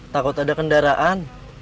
takut ada kendaraan